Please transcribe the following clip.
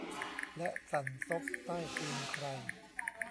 และสั่นซบใต้ตีนใคร